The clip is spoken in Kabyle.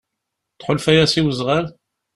Tḥulfa-yas i wezɣal?